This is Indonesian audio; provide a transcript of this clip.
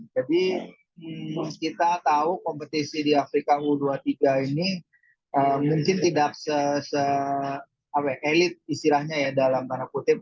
jadi kita tahu kompetisi di afrika u dua puluh tiga ini mungkin tidak elit istilahnya ya dalam tanda kutip